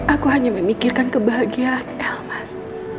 aku hanya memikirkan kebahagiaan el mas